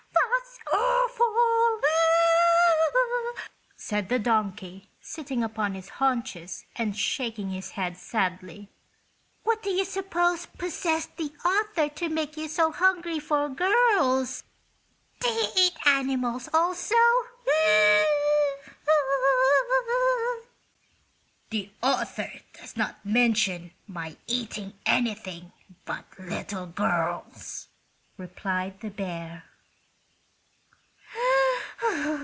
"That's awful!" said the donkey, sitting upon his haunches and shaking his head sadly. "What do you suppose possessed the author to make you so hungry for girls? Do you eat animals, also?" "The author does not mention my eating anything but little girls," replied the bear.